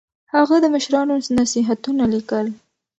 هغه د مشرانو نصيحتونه ليکل.